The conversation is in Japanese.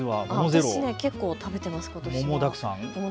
私、結構食べています、ことしは。